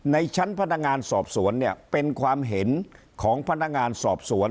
ในชั้นพนักงานสอบสวนเนี่ยเป็นความเห็นของพนักงานสอบสวน